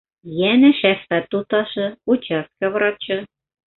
Йәнә шәфҡәт туташы, участка врачы.